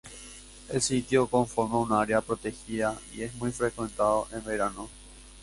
El sitio conforma un área protegida y es muy frecuentado en verano.